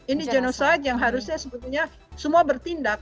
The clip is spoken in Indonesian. ini genocide yang sebetulnya semua bertindak